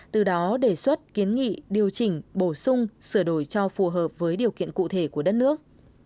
từ đó đề xuất kiến nghị điều chỉnh bổ sung sửa đổi cho phù hợp với điều kiện cụ thể của đất nước